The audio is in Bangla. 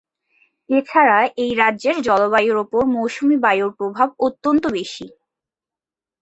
এছাড়া এই রাজ্যের জলবায়ুর উপর মৌসুমী বায়ুর প্রভাব অত্যন্ত বেশি।